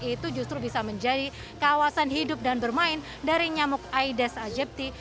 itu justru bisa menjadi kawasan hidup dan bermain dari nyamuk aedes aegypti